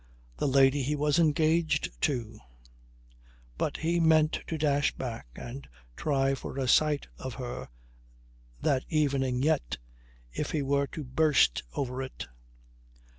The lady he was engaged to. But he meant to dash back and try for a sight of her that evening yet "if he were to burst over it."